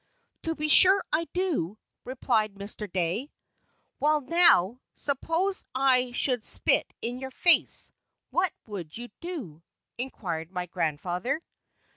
"To be sure I do," replied Mr. Dey. "Well, now, suppose I should spit in your face, what would you do?" inquired my grandfather.